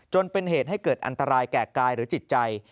จนเป็นเหตุให้เกิดอันตรายแก่กายหรือจิตใจ